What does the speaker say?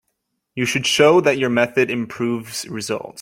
You should show that your method improves results.